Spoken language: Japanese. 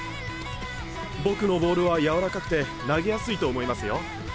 僕のボールは柔らかくて投げやすいと思いますよ。